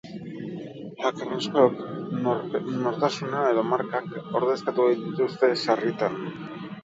Hacker askok nortasuna edo markak ordezkatu ohi dituzte sarritan.